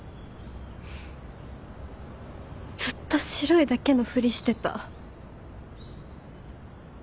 ずっと白いだけのふりしてた。